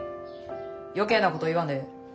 余計なこと言わんでええ。